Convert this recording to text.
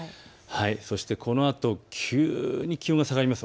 そしてこのあと、急に気温が下がります。